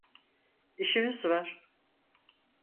İşimiz var.